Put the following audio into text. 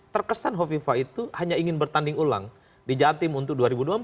terkesan hovifa itu hanya ingin bertanding ulang di jatim untuk dua ribu dua puluh empat